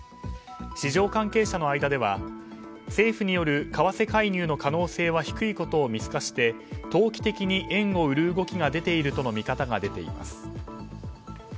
市場関係者の間では政府による為替介入の可能性は低いことを見透かして投機的に円を売る動きが出ているとの見方が出ています。